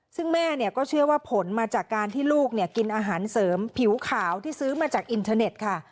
ซึ่งแม่ก็เชื่อว่าผลมาจากการที่ลูกกินอาหารเสริมผิวขาวที่ซื้อมาจากอินเทอร์เน็ตค่ะ